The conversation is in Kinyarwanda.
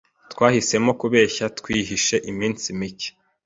Twahisemo kubeshya twihishe iminsi mike.